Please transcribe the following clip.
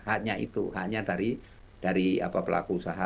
haknya itu haknya dari pelaku usaha